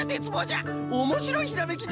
おもしろいひらめきじゃね！